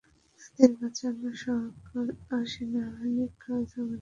তাদের বাঁচানো সরকার আর সেনাবাহিনীর কাজ, আমাদের না।